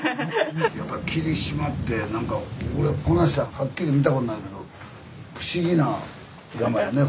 やっぱ霧島ってなんか俺こないしてはっきり見たことないけど不思議な山やね。